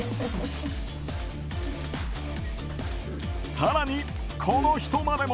更に、この人までも。